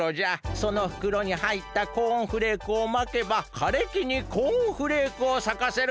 そのふくろにはいったコーンフレークをまけばかれきにコーンフレークをさかせることができるのじゃ！